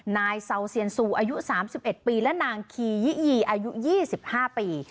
นายเซาเซียนซูอายุ๓๑ปีและนางคียิยีอายุ๒๕ปี